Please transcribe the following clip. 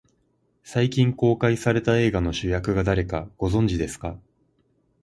最近公開された映画の主役が誰か、ご存じですか。